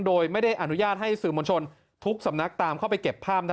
โดยไม่ได้อนุญาตให้สื่อมวลชนทุกสำนักตามเข้าไปเก็บภาพนั้น